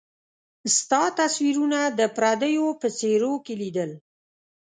ستا تصويرونه د پرديو په څيرو کي ليدل